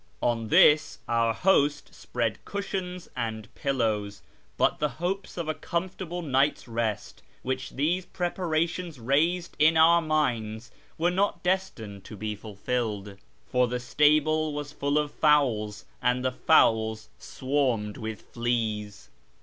On this our host spread cushions and pillows, but the hopes of a comfortable night's rest which these preparations raised in our minds were not destined to be fulfilled, for the stable was full of fowls, and the fowls swarmed with fleas.